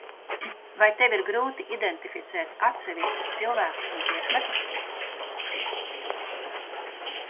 Vai tev ir grūti identificēt atsevišķus cilvēkus un priekšmetus?